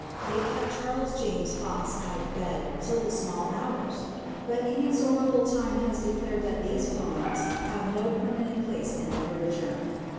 It kept Charles James Fox out of bed till the small hours! But inexorable time has declared that these poems have no permanent place in literature.